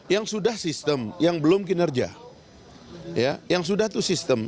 yang sudah sistem yang belum kinerja yang sudah itu sistem